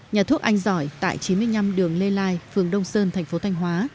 nhà thuốc anh giỏi tại chín mươi năm đường lê lai phường đông sơn thành phố thanh hóa